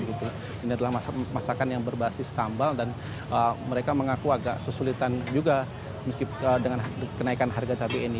ini adalah masakan yang berbasis sambal dan mereka mengaku agak kesulitan juga dengan kenaikan harga cabai ini